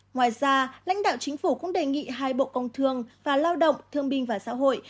ngoài ra lãnh đạo chính phủ cũng đề nghị hai bộ công thương và lao động thương binh và xã hội